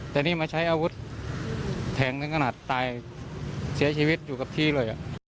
แต่นี่มาใช้อาวุธแทงถึงขนาดตายเสียชีวิตอยู่กับที่เลย